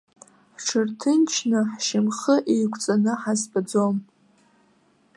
Ҳҿырҭынчны, ҳшьамхы еиқәҵаны ҳазтәаӡом.